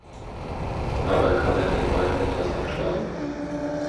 Aber kann er den beiden etwas abschlagen?